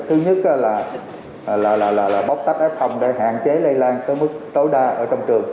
thứ nhất là bóc tách f để hạn chế lây lan tới mức tối đa ở trong trường